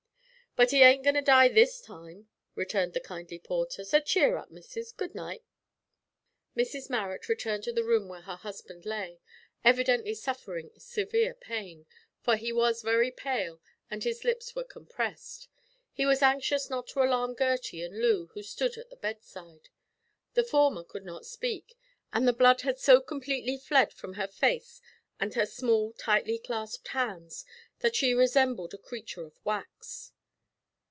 "But 'e ain't agoin' to die this time," returned the kindly porter; "so cheer up, Missis. Good night." Mrs Marrot returned to the room where her husband lay, evidently suffering severe pain, for he was very pale and his lips were compressed. He was anxious not to alarm Gertie and Loo who stood at the bedside. The former could not speak, and the blood had so completely fled from her face and her small tightly clasped hands that she resembled a creature of wax.